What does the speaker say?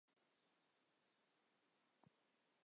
我们称这样一个很小的区域为附面层。